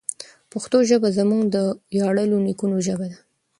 پښتو ژبه زموږ د ویاړلو نیکونو ژبه ده.